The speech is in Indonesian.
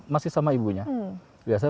masih sama ibunya biasanya